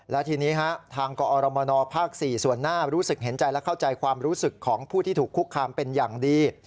และทีนี้ทางกอรมนภ๔ส่วนหน้ารู้สึกเห็นใจและเข้าใจความรู้สึกของผู้ที่ถูกคุกคามเป็นอย่างดี